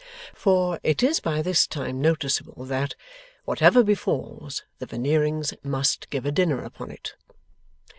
For, it is by this time noticeable that, whatever befals, the Veneerings must give a dinner upon it.